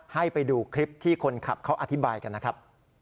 ให้ไปดูคลิปที่คนขับเขาอธิบายกันนะครับ